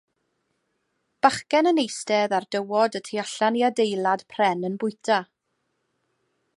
Bachgen yn eistedd ar dywod y tu allan i adeilad pren yn bwyta.